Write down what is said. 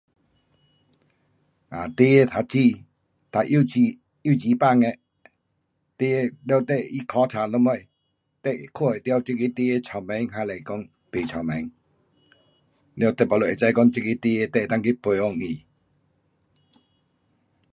um 孩儿读书，读幼稚，幼稚班的，孩儿，了等他考书什么，你就看得到这个孩儿聪明还是讲不聪明。了你 baru 会知讲这个孩儿你能够去培养他。